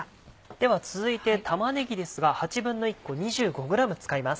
では続いて玉ねぎですが１／８個２５ｇ使います。